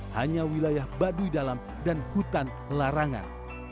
hanya wilayah baduy dalam dan hutan larangan